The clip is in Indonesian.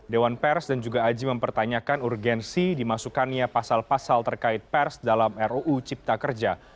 dewan pers dan juga aji mempertanyakan urgensi dimasukkannya pasal pasal terkait pers dalam ruu cipta kerja